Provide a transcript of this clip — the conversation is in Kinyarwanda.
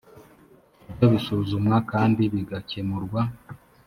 byo bisuzumwa kandi bigakemurwa